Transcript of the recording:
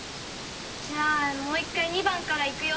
じゃあもう１回２番からいくよ。